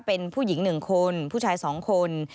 เป็นผู้หญิง๑คนผู้ชาย๒คน